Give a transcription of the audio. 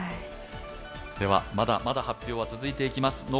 まだまだ発表は続いていきます。